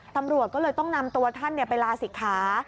ตำรวจก็เลยต้องนำตัวท่านไปลาศิกขา